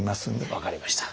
分かりました。